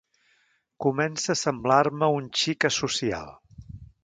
Comença a semblar-me un xic asocial.